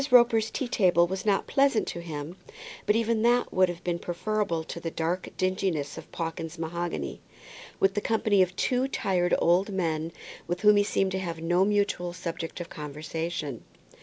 Roper's tea table was not pleasant to him, but even that would have been preferable to the black dinginess of Pawkins's mahogany, with the company of two tired old men, with whom he seemed to have no mutual subject of conversation.